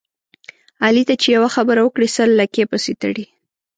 علي ته چې یوه خبره وکړې سل لکۍ پسې تړي.